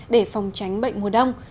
để phòng tránh bệnh mùa đông